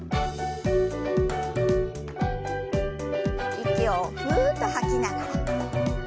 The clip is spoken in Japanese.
息をふっと吐きながら。